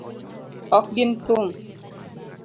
Ok gin thum.